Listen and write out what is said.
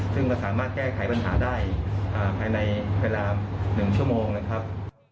ซึ่งมันสามารถแก้ไขปัญหาได้ภายในเวลา๑ชั่วโมงนะครับ